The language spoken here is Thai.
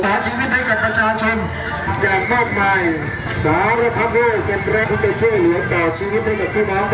สวัสดีครับของทางร้านตรงนี้นะครับตรงนี้เราจะนอนด้วยนำของกับเรียนขึ้นไปชะนัดด้วยนะครับ